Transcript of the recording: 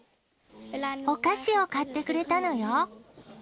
お菓子を買ってくれたのよ。